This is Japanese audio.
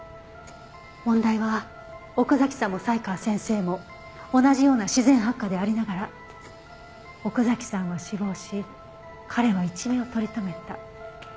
問題は奥崎さんも才川先生も同じような自然発火でありながら奥崎さんは死亡し彼は一命を取り留めた。